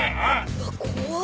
うわっ怖っ！